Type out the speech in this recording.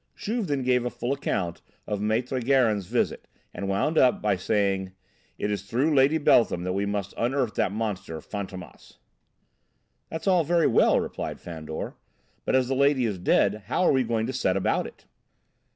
Juve then gave a full account of Maître Gérin's visit and wound up by saying: "It is through Lady Beltham that we must unearth that monster, Fantômas." "That's all very well," replied Fandor, "but as the lady is dead, how are we going to set about it?"